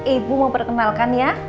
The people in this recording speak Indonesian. ibu mau perkenalkan ya